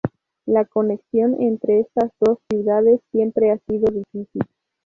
La conexión entre estas dos ciudades siempre ha sido difícil.